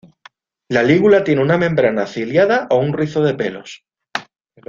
La lígula tiene una membrana ciliada, o un rizo de pelos.